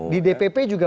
di dpp juga